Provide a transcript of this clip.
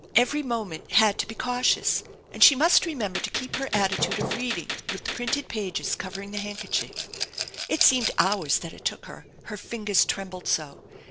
Every moment had to be cautious, and she must remember to keep her attitude of reading with the printed pages cover ing the handkerchief. It seemed hours that it took her, her fingers trembled so.